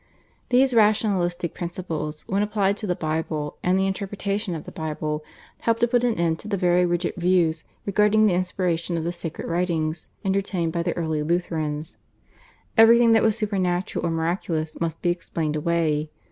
These rationalistic principles, when applied to the Bible and the interpretation of the Bible, helped to put an end to the very rigid views regarding the inspiration of the sacred writings entertained by the early Lutherans. Everything that was supernatural or miraculous must be explained away.